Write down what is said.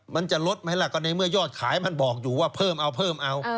มันจะลดไหมล่ะก็ในเมื่อยอดขายมันบอกอยู่ว่าเพิ่มเอาเพิ่มเอา